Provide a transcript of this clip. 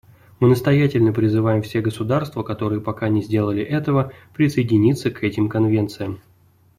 Мы настоятельно призываем все государства, которые пока не сделали этого, присоединиться к этим конвенциям.